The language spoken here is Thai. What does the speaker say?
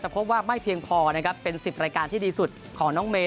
แต่พบว่าไม่เพียงพอนะครับเป็น๑๐รายการที่ดีสุดของน้องเมย